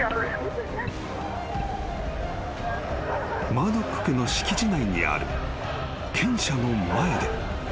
［マードック家の敷地内にある犬舎の前で］